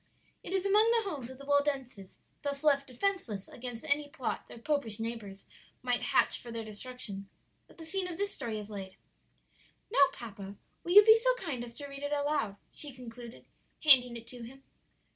"It is among the homes of the Waldenses, thus left defenceless against any plot their popish neighbors might hatch for their destruction, that the scene of this story is laid. "Now, papa, will you be so kind as to read it aloud?" she concluded, handing it to him.